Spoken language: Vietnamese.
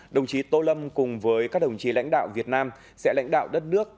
đồng chí tô lâm cùng với các đồng chí lãnh đạo việt nam sẽ lãnh đạo đất nước